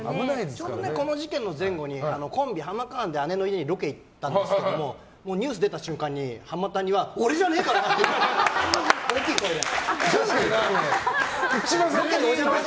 この事件の前後にコンビハマカーンで姉の家にロケを行ったんですけどニュース出た瞬間に浜谷は俺じゃねえからな！って大きい声で。